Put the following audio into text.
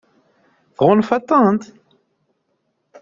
Tɣunfaḍ-tent?